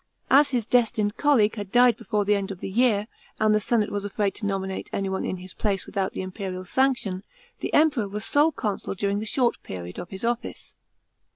As his destined colleague had died before the end of the year, and the senate was afraid to nominate anyone in his place without the imperial sanction, the Emperor was sole consul during the short period of his office.